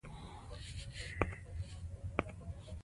افغانستان د پسه له مخې پېژندل کېږي.